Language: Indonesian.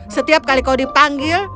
setiap kali kau dipanggil